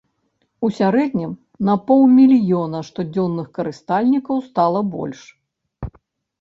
У сярэднім на паўмільёна штодзённых карыстальнікаў стала больш.